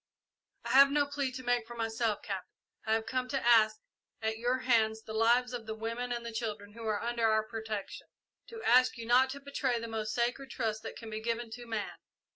"I have no plea to make for myself, Captain. I have come to ask at your hands the lives of the women and children who are under our protection to ask you not to betray the most sacred trust that can be given to man.